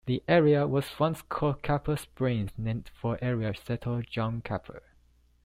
The area was once called Capper Springs, named for area settler John Capper.